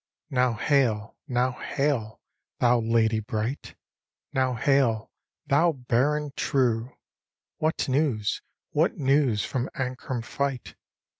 Now hail, now hail, thou lady brightl "^" Now hail, thou Baron, truci What news, what news from Ancram fight?